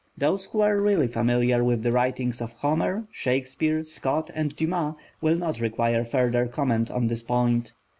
Those who are really familiar with the writings of Homer, Shakespeare, Scott, and Dumas, will not require further comment on this point.